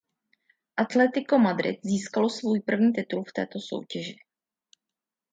Atlético Madrid získalo svůj první titul v této soutěži.